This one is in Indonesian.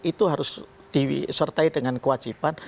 itu harus disertai dengan kewajiban